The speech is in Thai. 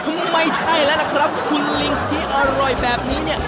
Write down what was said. ไม่ใช่แล้วล่ะครับคุณลิงที่อร่อยแบบนี้เนี่ย